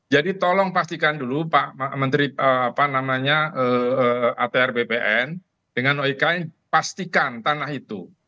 jadi tolong pastikan dulu pak menteri atr bpn dengan oikn pastikan tanah itu